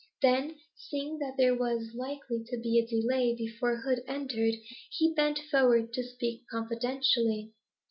Then, seeing that there was likely to be a delay before Hood entered, he bent forward to speak confidentially.